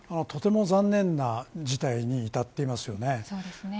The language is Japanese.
とても残念な事態に至っていますよね。